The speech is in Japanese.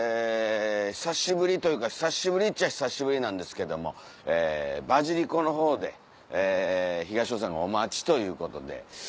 久しぶりというか久しぶりっちゃ久しぶりなんですけどもばじりこの方で東野さんがお待ちということで。